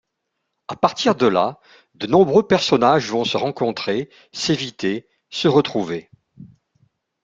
À partir de là, de nombreux personnages vont se rencontrer, s'éviter, se retrouver.